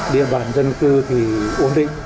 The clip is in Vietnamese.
địa bản dân cư thì ổn định